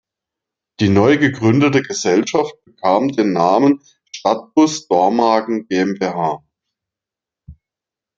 Die neu gegründete Gesellschaft bekam den Namen "Stadtbus Dormagen GmbH".